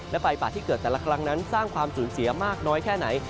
และไฟป่าที่เกิดแต่ละครั้งนั้นสร้างความสูญเสียมากน้อยแค่ไหน